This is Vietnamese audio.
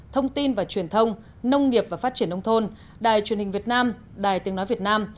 thông tin và truyền thông nông nghiệp và phát triển nông thôn đài truyền hình việt nam đài tiếng nói việt nam